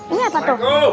ini apa tuh